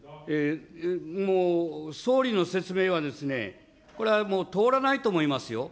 もう総理の説明は、これはもう通らないと思いますよ。